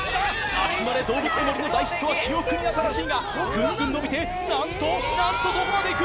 『あつまれどうぶつの森』の大ヒットは記憶に新しいがぐんぐん伸びてなんとなんとどこまで行く？